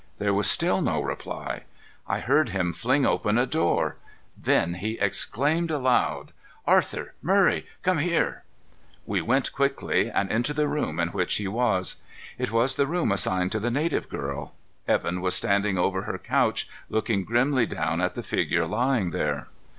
There was still no reply. I heard him fling open a door. Then he exclaimed aloud. "Arthur! Murray! Come here!" We went quickly, and into the room in which he was. It was the room assigned to the native girl. Evan was standing over her couch, looking grimly down at the figure lying there.